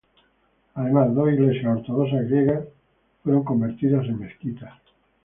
Además, dos iglesias ortodoxas griegas fueron convertidas en mezquitas.